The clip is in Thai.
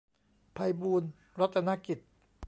ไพบูลย์รัตนกิจ